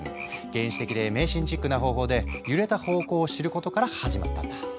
原始的で迷信チックな方法で揺れた方向を知ることから始まったんだ。